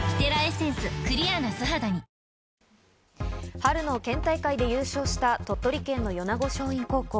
春の県大会で優勝した鳥取県の米子松蔭高校。